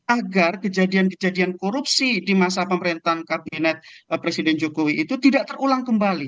agar kejadian kejadian korupsi di masa pemerintahan kabinet presiden jokowi itu tidak terulang kembali